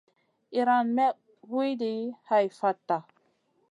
Iran may wuidi hai fatta.